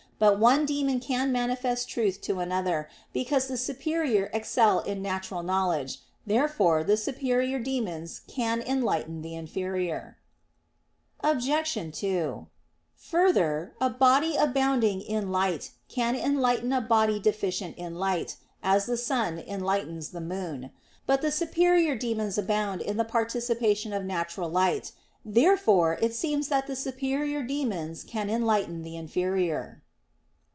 But one demon can manifest truth to another, because the superior excel in natural knowledge. Therefore the superior demons can enlighten the inferior. Obj. 2: Further, a body abounding in light can enlighten a body deficient in light, as the sun enlightens the moon. But the superior demons abound in the participation of natural light. Therefore it seems that the superior demons can enlighten the inferior.